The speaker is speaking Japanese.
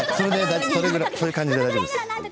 そういう感じで大丈夫です。